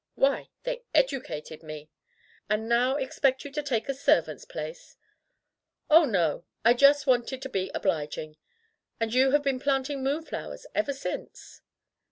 "Why, they educated me." "And now expect you to take a servant's place!" "Oh, no! I just wanted to be obliging. And you have been planting moonflowers ever since